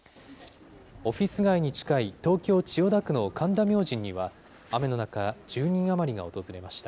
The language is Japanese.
オフィス街に近い、東京・千代田区の神田明神には、雨の中、１０人余りが訪れました。